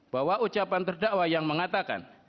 bahwa ucapan terdakwa yang mengatakan